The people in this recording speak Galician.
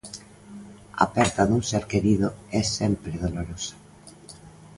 A perda dun ser querido é sempre dolorosa.